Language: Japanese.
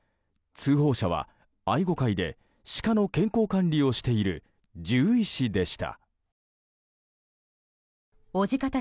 通報者は愛護会でシカの健康管理をしている獣医師でした。